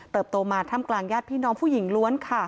โตมาถ้ำกลางญาติพี่น้องผู้หญิงล้วนค่ะ